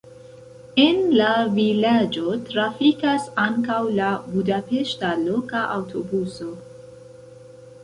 En la vilaĝo trafikas ankaŭ la budapeŝta loka aŭtobuso.